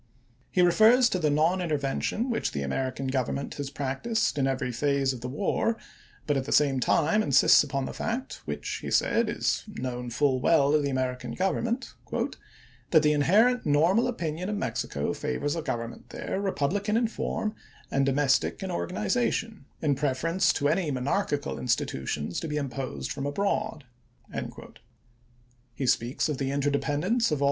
He refers to the non intervention which the American Gov ernment has practiced in every phase of the war, but at the same time insists upon the fact, which, he says, is known full well to the American Gov ernment, "that the inherent normal opinion of Mexico favors a government there republican in form and domestic in its organization, in preference Vol. VII.— 26 402 ABKAHAM LINCOLN chap. xiv. to any monarchical institutions to be imposed from abroad." He speaks of the interdependence of all 1863.